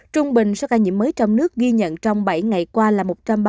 trung bình số ca nhiễm mới trong nước ghi nhận trong bảy ngày qua là